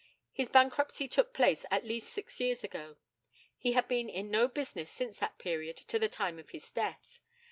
His bankruptcy took place at least six years ago. He had been in no business since that period to the time of his death.